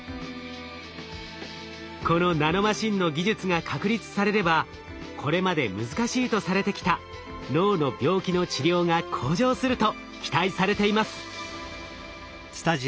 このナノマシンの技術が確立されればこれまで難しいとされてきた脳の病気の治療が向上すると期待されています。